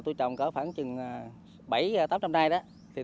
tôi trồng khoảng bảy trăm linh tám trăm linh đai